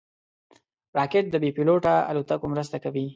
راکټ د بېپيلوټه الوتکو مرسته کوي